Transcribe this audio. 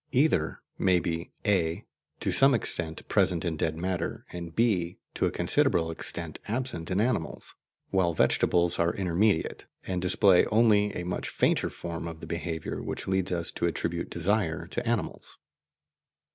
Either may be (a) to some extent present in dead matter, and (b) to a considerable extent absent in animals, while vegetable are intermediate, and display only a much fainter form of the behaviour which leads us to attribute desire to animals.